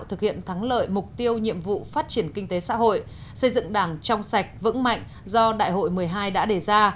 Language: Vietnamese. thực hiện thắng lợi mục tiêu nhiệm vụ phát triển kinh tế xã hội xây dựng đảng trong sạch vững mạnh do đại hội một mươi hai đã đề ra